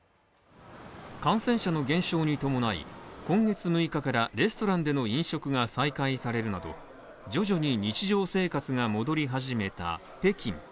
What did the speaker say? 感染者の減少に伴い、今月６日からレストランでの飲食が再開されるなど徐々に日常生活が戻り始めた北京。